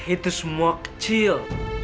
itu semua kecil